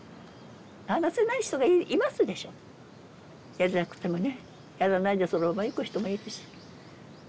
やりたくてもねやらないでそのままいく人もいるし。